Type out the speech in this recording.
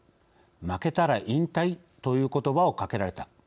負けたら引退という言葉をかけられた。